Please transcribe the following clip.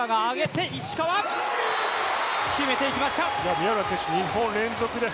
宮浦選手、２本連続で。